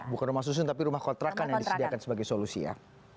bukan rumah susun tapi rumah kontrakan yang disediakan sebagai solusi ya